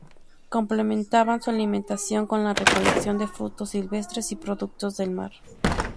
Complementaban su alimentación con la recolección de frutos silvestres y productos del mar.